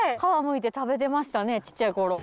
皮むいて食べてましたねちっちゃい頃。